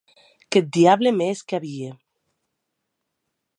Qu’eth diable me hesque a vier!